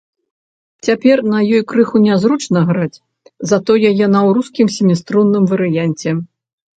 Цяпер на ёй крыху нязручна граць, затое яна ў рускім сяміструнным варыянце.